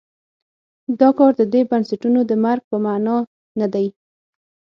دا کار د دې بنسټونو د مرګ په معنا نه دی.